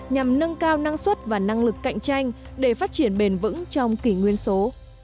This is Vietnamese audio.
nhằm nâng cao năng suất và năng lực cạnh tranh để phát triển bền vững trong kỷ nguyên số